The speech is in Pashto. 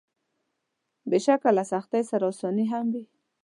بېشکه له سختۍ سره اساني هم وي.